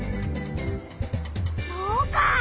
そうか！